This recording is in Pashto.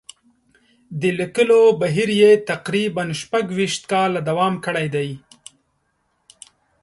د لیکلو بهیر یې تقریباً شپږ ویشت کاله دوام کړی دی.